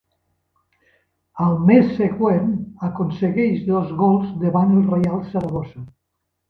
Al mes següent, aconsegueix dos gols davant el Reial Saragossa.